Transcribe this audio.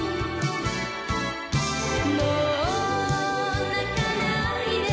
「もう泣かないで」